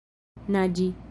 naĝi